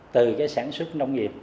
từ sản xuất nông nghiệp